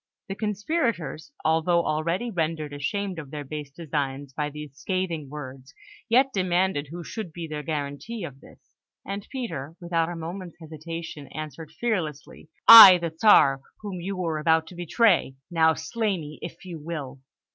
The conspirators, although already rendered ashamed of their base designs by these scathing words, yet demanded who should be their guarantee of this; and Peter, without a moment's hesitation, answered fearlessly: "I, the Czar, whom you were about to betray! Now, slay me if you will!"